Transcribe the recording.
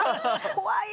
怖い。